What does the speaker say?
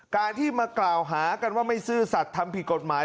การที่มากล่าวหากันว่าไม่ซื่อสัตว์ทำผิดกฎหมาย